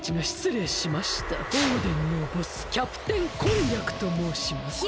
オーデンのボスキャプテンこんにゃくともうします。